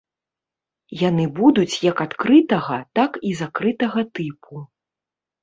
Яны будуць як адкрытага, так і закрытага тыпу.